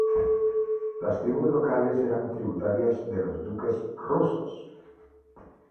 Las tribus locales eran tributarias de los duques rusos.